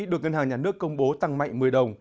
được ngân hàng nhà nước công bố tăng mạnh một mươi đồng